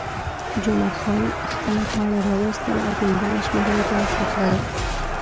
جمعه خان خپله پاڼه راویستل او پنځمه شمېره یې په نښه کړل.